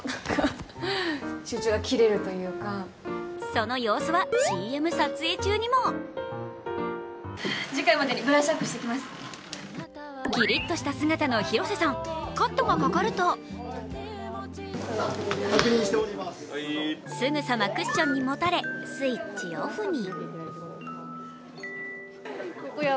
その様子はＣＭ撮影中にもきりっとした姿の広瀬さんカットがかかるとすぐさまクッションにもたれ、スイッチオフに。